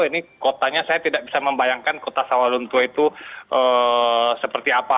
ini kotanya saya tidak bisa membayangkan kota sawalunto itu seperti apa